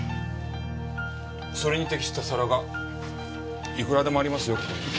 それに適した皿がいくらでもありますよ。